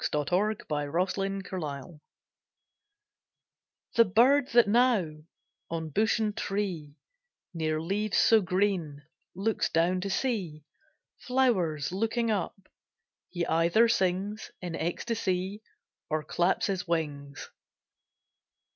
SWEET BIRDS, I COME The bird that now On bush and tree, Near leaves so green Looks down to see Flowers looking up He either sings In ecstasy Or claps his wings.